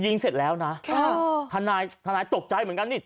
ยิงเสร็จแล้วนะธนายธนายตกใจเหมือนกัน